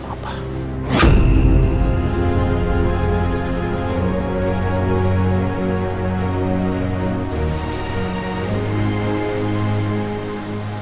apa yang kamu lakukan